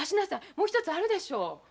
もう一つあるでしょ。